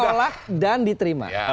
ditolak dan diterima